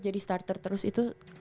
jadi starter terus itu